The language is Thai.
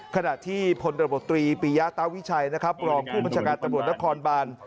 ขณะที่พลตรบตรีปริยะตาวิชัยรองผู้บัญชาการตำรวจนัดคอนบาน